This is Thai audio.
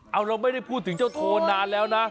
เอาเราไม่ได้พูดถึงเจ้าโทนนานแล้วนะ